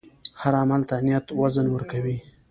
هر عمل ته نیت وزن ورکوي.